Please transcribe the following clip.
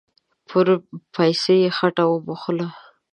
پر پايڅه يې خټه و موښله.